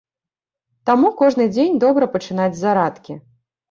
Таму кожны дзень добра пачынаць з зарадкі.